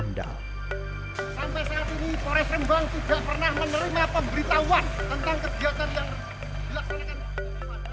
sampai saat ini pores rembang tidak pernah menerima pemberitahuan tentang kegiatan yang dilaksanakan